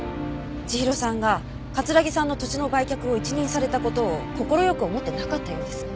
千尋さんが桂木さんの土地の売却を一任された事を快く思ってなかったようです。